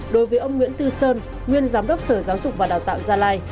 đối với ông nguyễn tư sơn nguyên giám đốc sở giáo dục và đào tạo gia lai